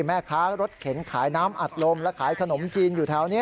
แม่ค้ารถเข็นขายน้ำอัดลมและขายขนมจีนอยู่แถวนี้